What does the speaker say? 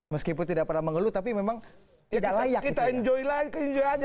meskipun tidak pernah mengeluh tapi memang kita enjoy aja